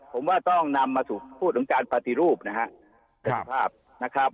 ผมว่าต้องนำมาสู่พูดถึงการปฏิรูปนะครับเป็นภาพนะครับ